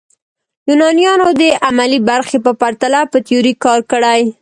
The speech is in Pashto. یونانیانو د عملي برخې په پرتله په تیوري کار کړی.